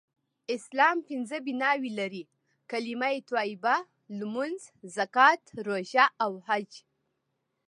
اسلام پنځه بناوې لری : کلمه طیبه ، لمونځ ، زکات ، روژه او حج